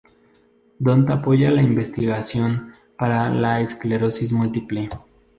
Don apoya la investigación para la esclerosis múltiple.